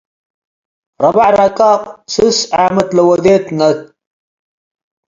ረበዕ ረቃቅ፤ ስስ ዓመት ለወዴት ነአት ።